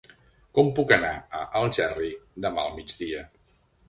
Com puc anar a Algerri demà al migdia?